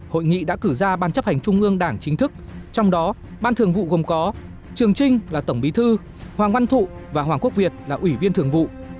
hội nghị đã cử ra ban chấp hành trung ương đảng chính thức trong đó ban thường vụ gồm có trường trinh là tổng bí thư hoàng văn thụ và hoàng quốc việt là ủy viên thường vụ